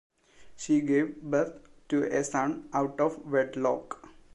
She gave birth to a son out of wedlock.